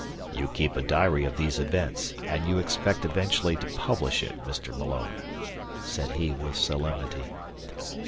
"You keep a diary of these events, and you expect eventually to publish it, Mr. Malone," said he, with solemnity.